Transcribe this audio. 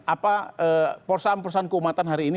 apa perusahaan perusahaan keumatan hari ini